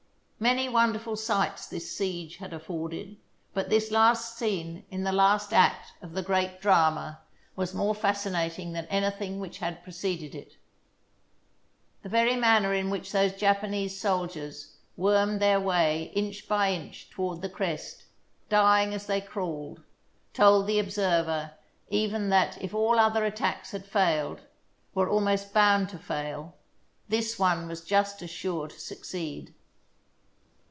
Many wonderful sights this siege had af forded, but this last scene in the last act of the great drama was more fascinating than anything which had preceded it. The very manner in which those Japanese soldiers wormed their way inch by inch toward the crest, dying as they crawled, told the observer even that if all other at tacks had failed, were almost bound to fail, this one was [302 ] THE SIEGE OF PORT ARTHUR just as sure to succeed.